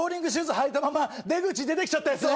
履いたまま出口出てきちゃったヤツね